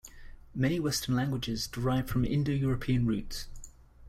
Many Western languages derive from Indo-European roots